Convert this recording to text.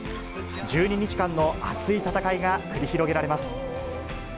１２日間の熱い戦いが繰り広げられます。